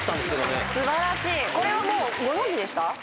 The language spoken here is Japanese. すばらしいこれはもうご存じでした？